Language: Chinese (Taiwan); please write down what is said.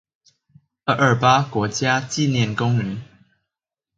二二八國家紀念公園